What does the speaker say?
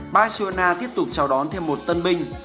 barcelona tiếp tục chào đón thêm một tân binh